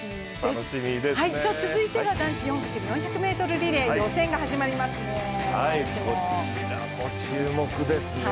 続いては、男子４×４００ｍリレーの予選が始まりますね。